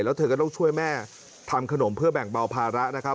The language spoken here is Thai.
แล้วเธอก็ต้องช่วยแม่ทำขนมเพื่อแบ่งเบาภาระนะครับ